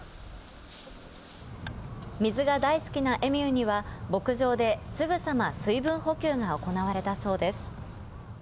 水が大好きなエミューには、牧場ですぐさま水分補給が行われたそうです。